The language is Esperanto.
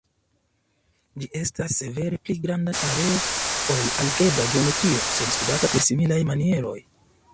Ĝi estas severe pli granda areo ol algebra geometrio, sed studata per similaj manieroj.